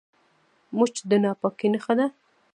مچ د ناپاکۍ نښه ده